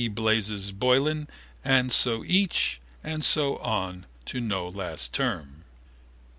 (Blazes) Boylan and so each and so on to no last term.